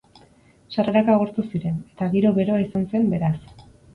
Sarrerak agortu ziren, eta giro beroa izan zen, beraz.